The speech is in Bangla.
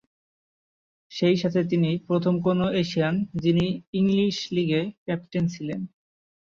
সেই সাথে তিনি প্রথম কোন এশিয়ান যিনি ইংলিশ লিগে ক্যাপ্টেন ছিলেন।